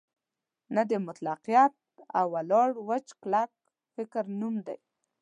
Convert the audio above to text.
نه د مطلقیت او ولاړ وچ کلک فکر نوم دی.